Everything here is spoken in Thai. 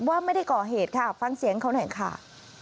ว่าไม่ได้ก่อเหตุค่ะฟังเสียงเขาหน่อยค่ะ